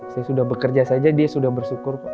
saya sudah bekerja saja dia sudah bersyukur pak